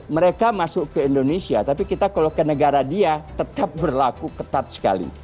mereka masuk ke indonesia tapi kita kalau ke negara dia tetap berlaku ketat sekali